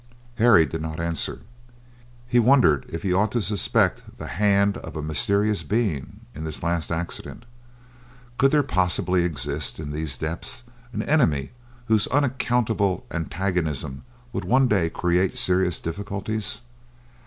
Harry did not answer. He wondered if he ought to suspect the hand of a mysterious being in this last accident? Could there possibly exist in these depths an enemy whose unaccountable antagonism would one day create serious difficulties?